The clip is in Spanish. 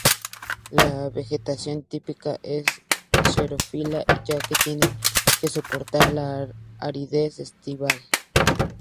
La vegetación típica es xerófila, ya que tiene que soportar la aridez estival.